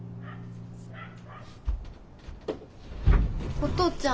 お父ちゃん。